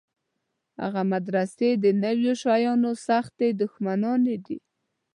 هغه مدرسې د نویو شیانو سختې دښمنانې دي.